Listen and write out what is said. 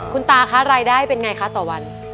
คุณตาคะรายได้เป็นไงคะต่อวัน